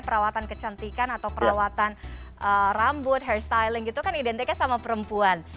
perawatan kecantikan atau perawatan rambut hair styling itu kan identiknya sama perempuan